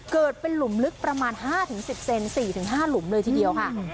เกิดเป็นหลุมลึกประมาณห้าถึงสิบเซนสี่ถึงห้าหลุมเลยทีเดียวค่ะ